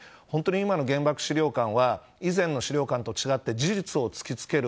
今の原爆資料館は以前の資料館と違って事実を突きつける。